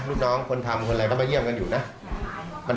ลูกน้องคนทำคนอะไรก็มาเยี่ยมกันอยู่นะ